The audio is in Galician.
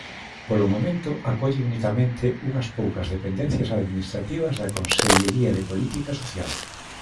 Polo momento acolle unicamente unhas poucas dependencias administrativas da Consellería de Política Social.